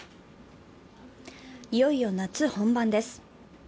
いよいよ夏本番です。